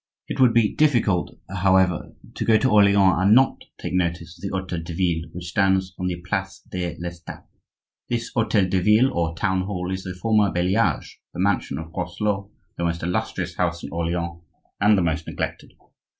It would be difficult, however, to go to Orleans and not take notice of the Hotel de Ville which stands on the place de l'Estape. This hotel de ville, or town hall, is the former Bailliage, the mansion of Groslot, the most illustrious house in Orleans, and the most neglected.